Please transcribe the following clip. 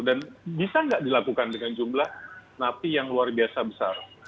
dan bisa nggak dilakukan dengan jumlah napi yang luar biasa besar